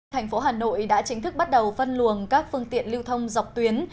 thành phố hà nội đã chính thức bắt đầu phân luồng các phương tiện lưu thông dọc tuyến